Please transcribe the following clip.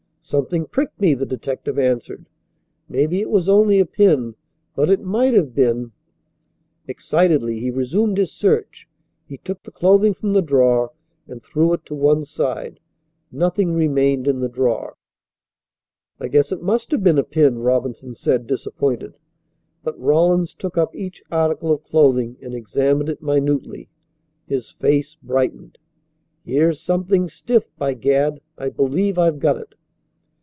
"Something pricked me," the detective answered. "Maybe it was only a pin, but it might have been " Excitedly he resumed his search. He took the clothing from the drawer and threw it to one side. Nothing remained in the drawer. "I guess it must have been a pin," Robinson said, disappointed. But Rawlins took up each article of clothing and examined it minutely. His face brightened. "Here's something stiff. By gad, I believe I've got it!"